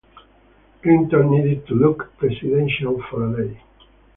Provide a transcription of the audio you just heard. Clinton needed to look 'presidential' for a day.